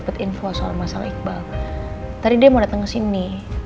kamu baik baik disini